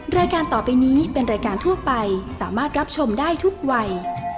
รายการต่อไปนี้เป็นรายการทั่วไปสามารถรับชมได้ทุกวัย